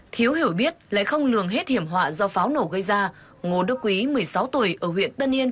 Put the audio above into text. thiếu hiểu biết lại không lường hết hiểm họa do pháo nổ gây ra ngô đức quý một mươi sáu tuổi ở huyện tân yên